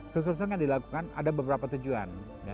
susur sungai dilakukan ada beberapa tujuan